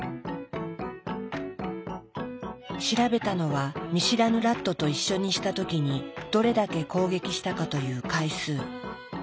調べたのは見知らぬラットと一緒にした時にどれだけ攻撃したかという回数。